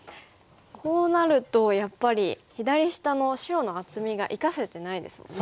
こうなるとやっぱり左下の白の厚みが生かせてないですもんね。